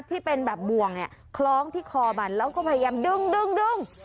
ที่เป็นแบบบ่วงเนี่ยคล้องที่คอมันแล้วก็พยายามดึง